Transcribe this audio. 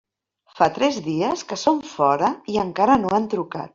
Fa tres dies que són fora i encara no han trucat.